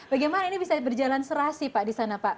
bagaimana ini bisa berjalan serasi pak di sana pak